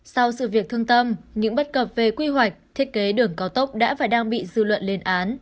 sau sự việc thương tâm những bất cập về quy hoạch thiết kế đường cao tốc đã và đang bị dư luận lên án